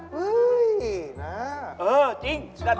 เฮ่ยนะเออจริงด้านนี้